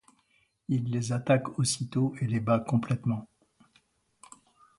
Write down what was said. Il les attaque aussitôt et les bat complètement.